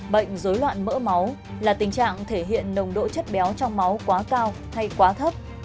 bệnh dối loạn mỡ máu là tình trạng thể hiện nồng độ chất béo trong máu quá cao hay quá thấp